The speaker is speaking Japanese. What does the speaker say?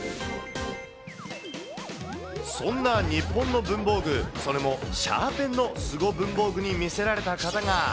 そんな日本の文房具、それもシャーペンのすご文房具に魅せられた方が。